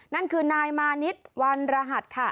นั่นคือนายมานิดวันรหัสค่ะ